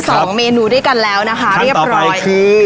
สองเมนูด้วยกันแล้วนะคะทางต่อไปคือ